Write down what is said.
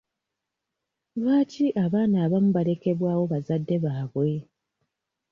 Lwaki abaana abamu balekebwawo bazadde baabwe?